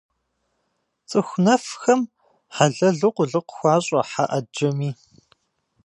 Цӏыху нэфхэм хьэлэлу къулыкъу хуащӏэ хьэ ӏэджэми.